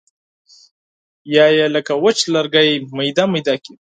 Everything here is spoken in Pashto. یا یې لکه وچ لرګی میده میده کړي.